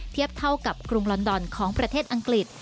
เทียบเท่ากับกรุงลอนดอนของประเทศอังกฤษ